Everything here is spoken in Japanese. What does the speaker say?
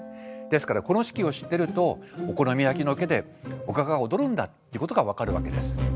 ですからこの式を知ってるとお好み焼きの上でおかかが踊るんだっていうことが分かるわけです。